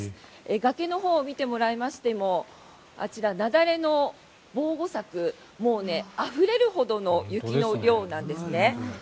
崖のほうを見てもらいましてもあちら、雪崩の防護柵もうあふれるほどの雪の量なんですね。